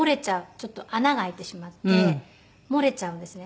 ちょっと穴が開いてしまって漏れちゃうんですね。